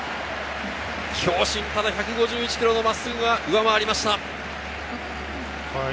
強振、１５１キロの真っすぐが上回りました。